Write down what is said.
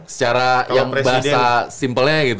secara yang bahasa simpelnya gitu